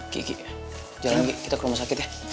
gigi jalan gigi kita ke rumah sakit ya